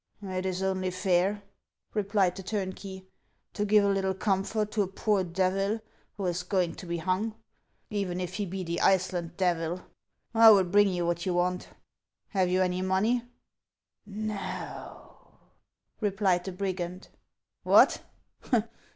" It is only fair," replied the turnkey, " to give a little comfort to a poor devil who is going to be hung, even if he be the Iceland Devil. I will bring you what you want. Have you any money ?"" No," replied the brigand. " What